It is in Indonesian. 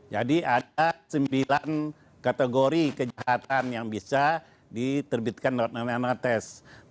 jadi ada sembilan kategori kejahatan yang bisa diterbitkan red notice